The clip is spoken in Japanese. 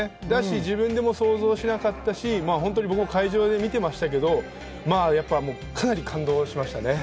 自分でも想像しなかったし、僕も会場で見てましたけれど、かなり感動しましたね。